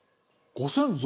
ご先祖？